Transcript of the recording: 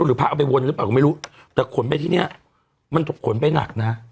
หรือพระเอาไปวนหรือเปล่าก็ไม่รู้แต่ขนไปที่เนี้ยมันขนไปหนักนะ